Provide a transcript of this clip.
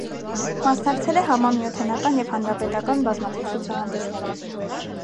Մասնակցել է համամիութենական և հանրապետական բազմաթիվ ցուցահանդեսների։